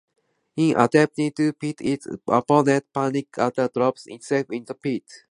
In attempting to pit its opponent, Panic Attack drove itself into the pit.